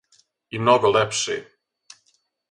И много лепше.